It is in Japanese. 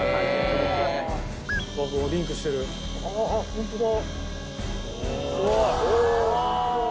ホントだ。